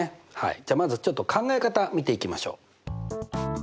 じゃあまずちょっと考え方見ていきましょう。